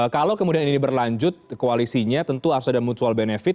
kalau kemudian ini berlanjut koalisinya tentu afsad dan mutual bnp